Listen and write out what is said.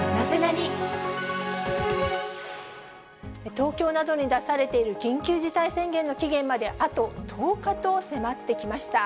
東京などに出されている緊急事態宣言の期限まであと１０日と迫ってきました。